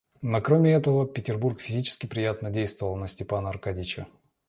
Но, кроме этого, Петербург физически приятно действовал на Степана Аркадьича.